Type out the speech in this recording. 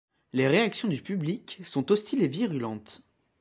Les réactions du public sont hostiles et virulentes.